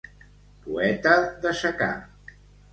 Poeta de secà.